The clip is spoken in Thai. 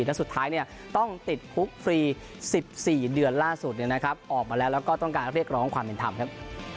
และสุดท้ายต้องติดคุกฟรี๑๔เดือนล่าสุดออกมาแล้วแล้วก็ต้องการเรียกร้องความเป็นธรรมครับ